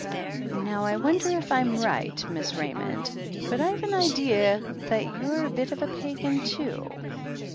Now, I wonder if I'm right, Miss Raymond — ^but I've an idea that you're a bit of a pagan, too?"